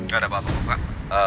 gak ada apa apa kak